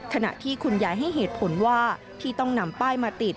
ขณะที่คุณยายให้เหตุผลว่าที่ต้องนำป้ายมาติด